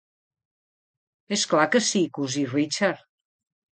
És clar que sí, cosí Richard.